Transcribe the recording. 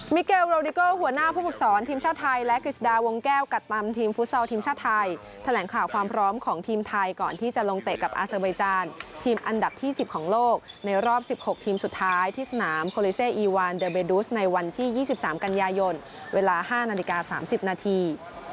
เกลโรดิโกหัวหน้าผู้ฝึกศรทีมชาติไทยและกฤษดาวงแก้วกัดตำทีมฟุตซอลทีมชาติไทยแถลงข่าวความพร้อมของทีมไทยก่อนที่จะลงเตะกับอาเซอร์ไบจานทีมอันดับที่๑๐ของโลกในรอบ๑๖ทีมสุดท้ายที่สนามโคลิเซ่อีวานเดอร์เบดุสในวันที่๒๓กันยายนเวลา๕นาฬิกา๓๐นาที